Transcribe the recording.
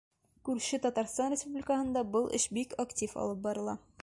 Күрше Татарстан Республикаһында был эш бик актив алып барыла.